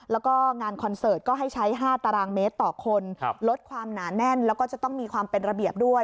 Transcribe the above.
แล้วก็งานคอนเสิร์ตก็ให้ใช้๕ตารางเมตรต่อคนลดความหนาแน่นแล้วก็จะต้องมีความเป็นระเบียบด้วย